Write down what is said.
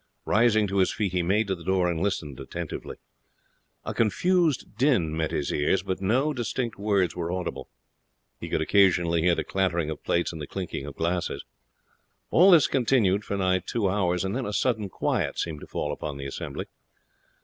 Rising to his feet he made to the door and listened attentively. A confused din met his ears, but no distinct words were audible. He could occasionally faintly hear the clattering of plates and the clinking of glasses. All this continued for nigh two hours, and then a sudden quiet seemed to fall upon the assembly.